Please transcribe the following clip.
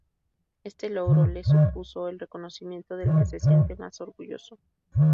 Este logro le supuso el reconocimiento del que se siente más orgulloso.